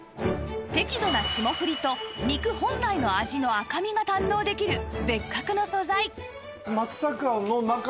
適度な霜降りと肉本来の味の赤身が堪能できる別格の素材